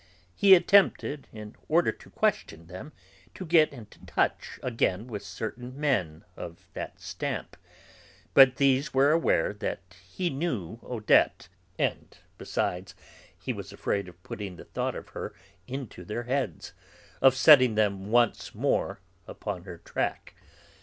He attempted, in order to question them, to get into touch again with certain men of that stamp; but these were aware that he knew Odette, and, besides, he was afraid of putting the thought of her into their heads, of setting them once more upon her track.